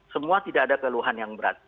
semua tidak ada keluhan yang berat